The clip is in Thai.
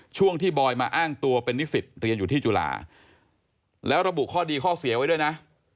ช่วงที่บอยมาอ้างตัวเป็นนิสิตเรียนอยู่ที่จุฬาแล้วระบุข้อดีข้อเสียไว้ด้วยนะ